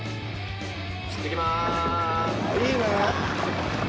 行ってきます！